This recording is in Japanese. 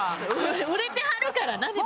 売れてはるからな。